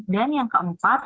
dan yang keempat